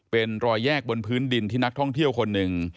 เป็นรอยแยกบนพื้นดินที่นักท่องเที่ยวคนหนึ่ง